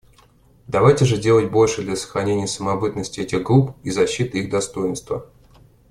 Давайте же делать больше для сохранения самобытности этих групп и защиты их достоинства.